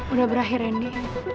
udah berakhir randy